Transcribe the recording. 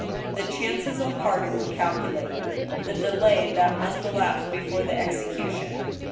The chances of pardon were calculated ; the delay that must elapse before the execution.